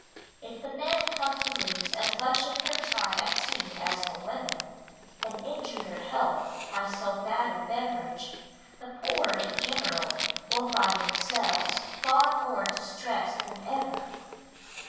If the men come to lose as much of their time at tea as the women, and injure their health by so bad a beverage, the poor, in general, will find themselves far more distressed than ever.